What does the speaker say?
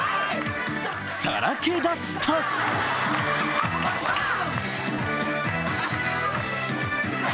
さらけ出した！や！